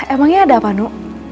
emangnya ada apa nu